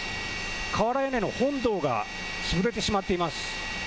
瓦屋根の本堂が潰れてしまっています。